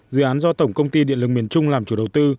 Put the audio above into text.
dự án do tổng công ty điện lực miền trung làm chủ đầu tư